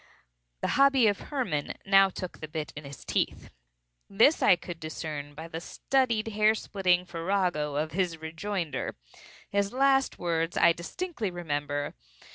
The hobby of Hermann now took the bit in his teeth. This I could discern by the studied hair splitting farrago of his rejoinder. His last words I distinctly remember.